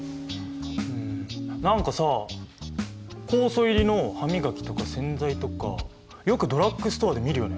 ん何かさ酵素入りの歯磨きとか洗剤とかよくドラッグストアで見るよね。